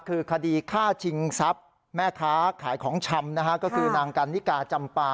คือคดีฆ่าชิงทรัพย์แม่ค้าขายของชำนะฮะก็คือนางกันนิกาจำปา